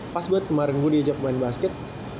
pas gue kemarin gue diajak main basket